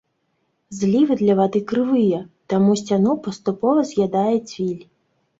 Злівы для вады крывыя, таму сцяну паступова з'ядае цвіль.